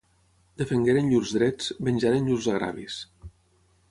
Defengueren llurs drets, venjaren llurs agravis.